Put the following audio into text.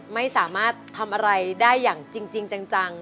ไม่สามารถทำอะไรได้อย่างจริงจัง